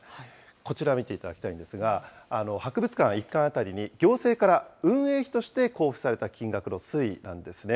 こちら見ていただきたいんですが、博物館１館当たりに行政から運営費として交付された金額の推移なんですね。